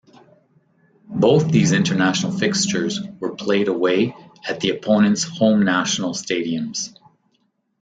Both these International fixtures were played away at the opponents' home national stadiums.